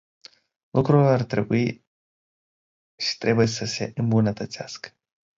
Lucrurile ar trebui și trebuie să se îmbunătățească.